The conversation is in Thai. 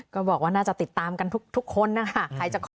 ก็บอกว่าน่าจะติดตามกันทุกคนนะคะ